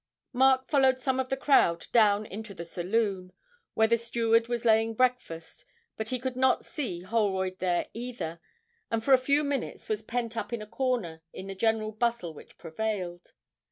Mark followed some of the crowd down into the saloon, where the steward was laying breakfast, but he could not see Holroyd there either, and for a few minutes was pent up in a corner in the general bustle which prevailed.